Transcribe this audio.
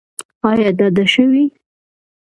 ایا ډاډه شوئ؟